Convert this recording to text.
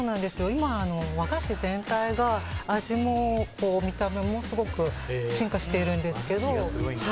今、和菓子全体が味も見た目もすごく進化しているんです。